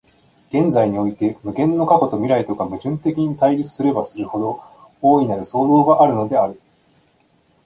現在において無限の過去と未来とが矛盾的に対立すればするほど、大なる創造があるのである。